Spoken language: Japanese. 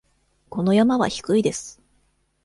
この山は低いです。